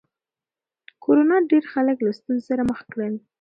کرونا ډېر خلک له ستونزو سره مخ کړل.